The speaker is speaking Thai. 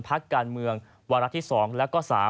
พักการเมืองวาระที่๒แล้วก็๓